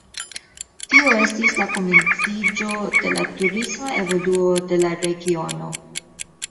Tio estis la komenciĝo de la turisma evoluo de la regiono.